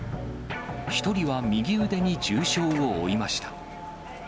１人は右腕に重傷を負いました。